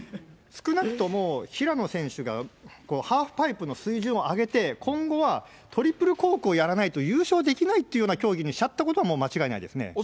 少なくとも平野選手がハーフパイプの水準を上げて、今後はトリプルコークをやらないと優勝できないっていうような競技にしちゃったことは間違いないですね。